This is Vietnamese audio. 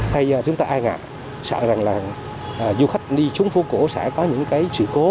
thì chúng ta ai ngạc sợ rằng là du khách đi xuống phố cổ sẽ có những cái sự cố